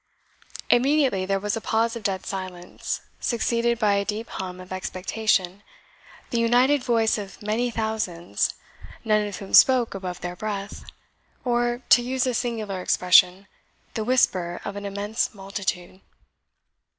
Immediately there was a pause of dead silence, succeeded by a deep hum of expectation, the united voice of many thousands, none of whom spoke above their breath or, to use a singular expression, the whisper of an immense multitude.